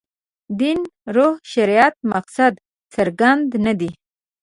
دین روح شریعت مقاصد څرګند نه دي.